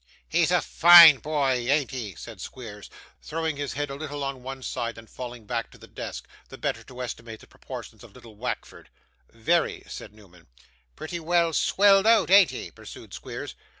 'He's a fine boy, an't he?' said Squeers, throwing his head a little on one side, and falling back to the desk, the better to estimate the proportions of little Wackford. 'Very,' said Newman. 'Pretty well swelled out, an't he?' pursued Squeers.